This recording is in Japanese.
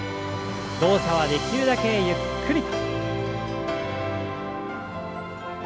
動作はできるだけゆっくり。